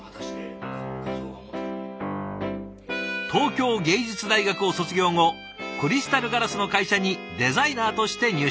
東京藝術大学を卒業後クリスタルガラスの会社にデザイナーとして入社。